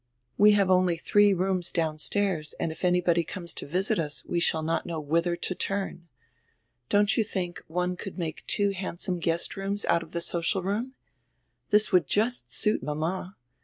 "We have only diree rooms downstairs and if anybody conies to visit us we shall not know whither to turn. Don't you diink one could make two handsome guest rooms out of die social room? This would just suit mama.